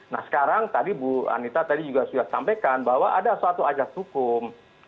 nah sekarang tadi bu anita tadi juga sudah sampaikan bahwa ada suatu ajas hukum